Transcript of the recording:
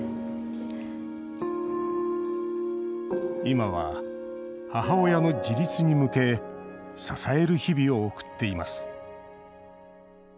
今は、母親の自立に向け支える日々を送っています